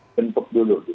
itu bentuk dulu